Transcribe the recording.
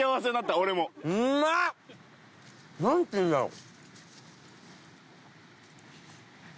何ていうんだろう？